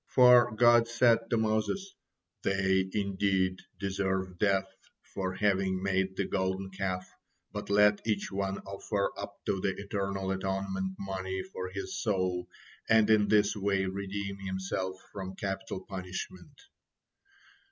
For God said to Moses: "They indeed deserve death for having made the Golden Calf, but let each one offer up to the Eternal atonement money for his soul, and in this way redeem himself from capital punishment."